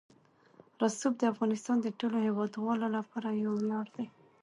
رسوب د افغانستان د ټولو هیوادوالو لپاره یو ویاړ دی.